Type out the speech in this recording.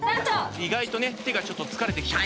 意外とね手がちょっと疲れてきちゃう。